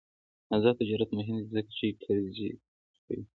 آزاد تجارت مهم دی ځکه چې قرضې ورکوي.